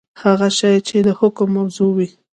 هغه شی چي د حکم موضوع وي.؟